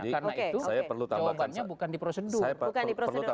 karena itu jawabannya bukan di prosedur